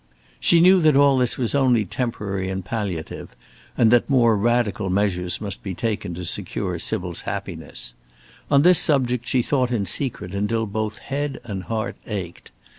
She knew that all this was only temporary and palliative, and that more radical measures must be taken to secure Sybil's happiness. On this subject she thought in secret until both head and heart ached.